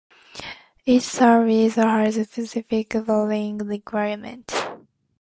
Each service has specific varying requirements.